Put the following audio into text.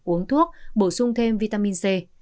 uống thuốc bổ sung thêm vitamin c